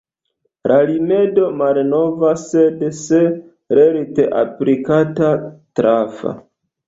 La rimedo malnova, sed, se lerte aplikata, trafa.